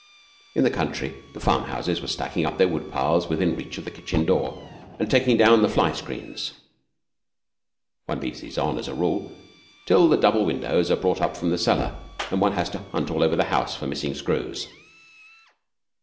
In the country the farmhouses were stacking up their wood piles within reach of the kitchen door, and taking down the fly screens, (One leaves these on, as a rule, till the double windows are brought up from the cellar, and one has to hunt all over the house for missing screws.)